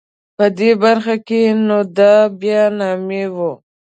په دې برخه کې نو دای بیا نامي و.